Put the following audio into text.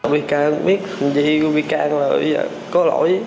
bị can biết gì bị can là bây giờ có lỗi